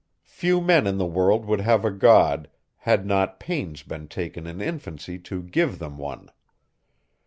Few men in the world would have a God, had not pains been taken in infancy to give them one.